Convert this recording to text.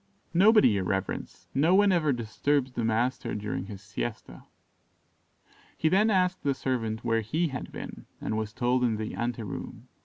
"Nobody, your reverence; no one ever disturbs the master during his siesta." He then asked the servant where he had been, and was told in the ante room.